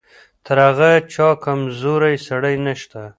تر هغه چا کمزوری سړی نشته.